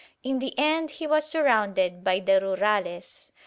In the end he was surrounded by the Rurales.